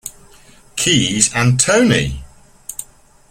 Keys and Tony!